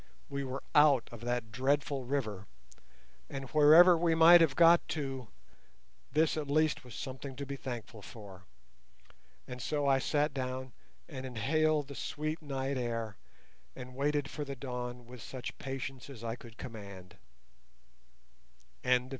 We were out of that dreadful river, and wherever we might have got to this at least was something to be thankful for. And so I sat down and inhaled the sweet night air and waited for the dawn with such patience as I could command.